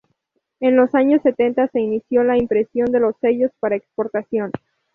En los años sesenta se inició la impresión de los sellos para exportación.